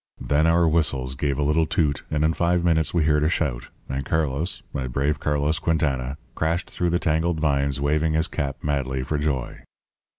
Then our whistle gave a little toot, and in five minutes we heard a shout, and Carlos my brave Carlos Quintana crashed through the tangled vines waving his cap madly for joy.